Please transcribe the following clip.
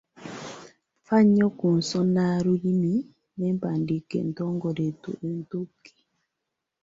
Fa nnyo ku nsonalulimi n’empandiika entongole etuuke